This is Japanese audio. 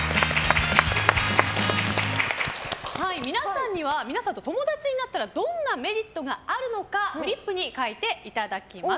皆さんには皆さんと友達になったらどんなメリットがあるのかフリップに書いていただきます。